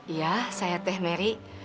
iya saya teh mary